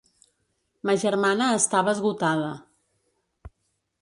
Ma germana estava esgotada.